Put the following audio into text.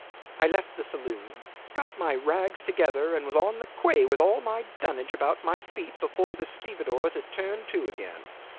I left the saloon, got my rags together, and was on the quay with all my dunnage about my feet before the stevedores had turned to again.